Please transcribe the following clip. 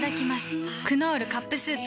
「クノールカップスープ」